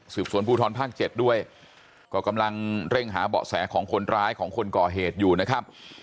สวนภูทรภาค๗ด้วยก็กำลังเร่งหาเบาะแสของคนร้ายของคนก่อเหตุอยู่นะครับ